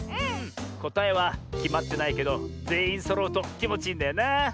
こたえはきまってないけどぜんいんそろうときもちいいんだよな。